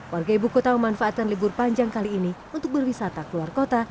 warga ibu kota memanfaatkan libur panjang kali ini untuk berwisata keluar kota